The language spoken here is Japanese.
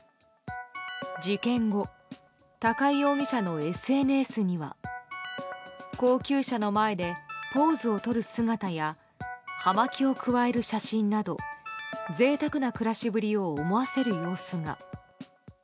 事件後、高井容疑者のＳＮＳには高級車の前で、ポーズをとる姿や葉巻をくわえる写真など贅沢な暮らしぶりを思わせる様子が。